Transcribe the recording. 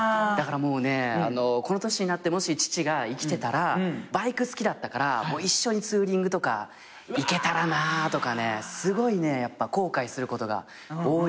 だからもうねこの年になってもし父が生きてたらバイク好きだったから一緒にツーリングとか行けたらなとかねすごい後悔することが多いんで。